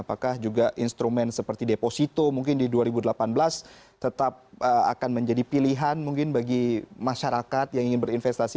apakah juga instrumen seperti deposito mungkin di dua ribu delapan belas tetap akan menjadi pilihan mungkin bagi masyarakat yang ingin berinvestasi